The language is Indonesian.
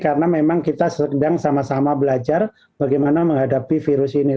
karena memang kita sedang sama sama belajar bagaimana menghadapi virus ini